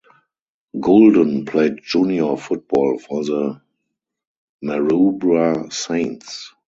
Gulden played junior football for the Maroubra Saints.